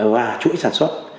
và chuỗi sản xuất